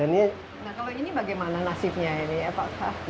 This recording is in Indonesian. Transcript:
nah kalau ini bagaimana nasibnya ya pak